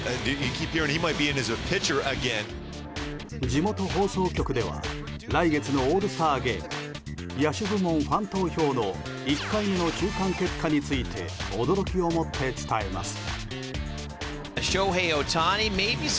地元放送局では来月のオールスターゲーム野手部門ファン投票の１回目の中間結果について驚きをもって伝えます。